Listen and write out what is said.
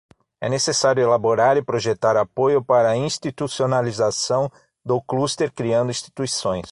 É necessário elaborar e projetar apoio para a institucionalização do cluster criando instituições.